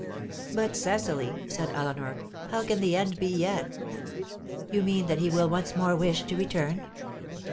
"But, Cecily," said Eleanor, "how can the end be yet?" "You mean that he will once more wish to return."